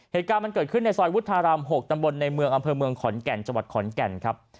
เหตุการณ์มันเกิดขึ้นในซอยวุฒาราม๖ตำบลในเมืองอำเภอเมืองขอนแก่นจังหวัดขอนแก่นครับ